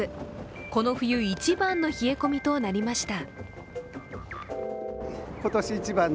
この冬一番の冷え込みとなりました。